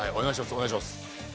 お願いします。